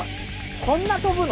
こんな飛ぶの？